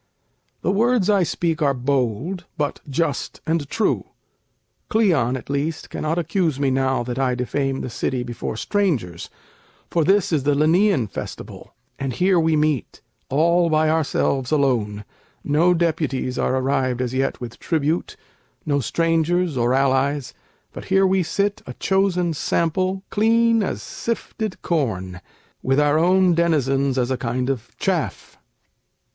The words I speak are bold, but just and true. Cleon at least cannot accuse me now, That I defame the city before strangers, For this is the Lenæan festival, And here we meet, all by ourselves alone; No deputies are arrived as yet with tribute, No strangers or allies: but here we sit A chosen sample, clean as sifted corn, With our own denizens as a kind of chaff.